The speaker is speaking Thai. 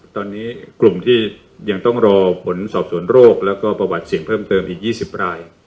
ตอนนี้กลุ่มที่ยังต้องรอผลสอบสวนโรคแล้วก็ประวัติเสี่ยงเพิ่มเติมอีก๒๐ราย